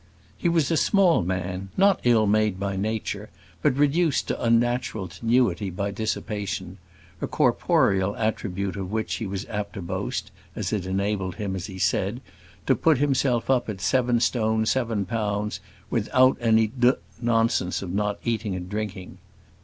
He was a small man, not ill made by Nature, but reduced to unnatural tenuity by dissipation a corporeal attribute of which he was apt to boast, as it enabled him, as he said, to put himself up at 7 st. 7 lb. without any "d nonsense of not eating and drinking."